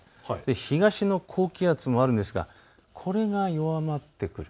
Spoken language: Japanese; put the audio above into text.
東の高気圧もあるんですがこれが弱まってくる。